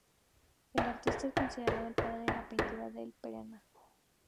El artista es considerado el "padre de la pintura del Paraná".